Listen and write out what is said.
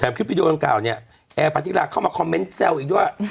แต่คลิปวิดีโอดังกล่าวเนี่ยแอร์ปาธิราเข้ามาคอมเมนต์แซวอีกด้วย